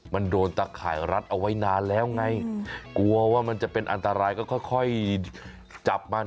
มันโดนตะข่ายรัดเอาไว้นานแล้วไงกลัวว่ามันจะเป็นอันตรายก็ค่อยจับมัน